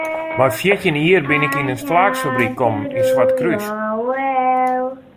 Mei fjirtjin jier bin ik yn in flaaksfabryk kommen yn Swartkrús.